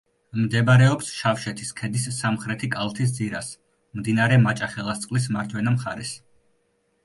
მდებარეობს შავშეთის ქედის სამხრეთი კალთის ძირას, მდინარე მაჭახელისწყლის მარჯვენა მხარეს.